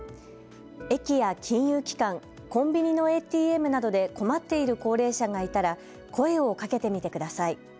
駅や金融機関、コンビニのＡＴＭなどで困っている高齢者がいたら声をかけてみてください。